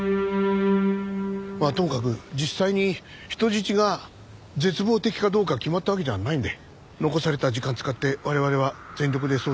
まあともかく実際に人質が絶望的かどうか決まったわけじゃないんで残された時間使って我々は全力で捜査しましょう。